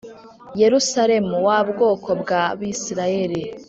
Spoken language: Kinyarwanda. Yerusalemu wa bwoko bw abisirayeli